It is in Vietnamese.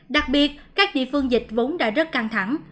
đặc biệt các địa phương dịch vốn đã rất căng thẳng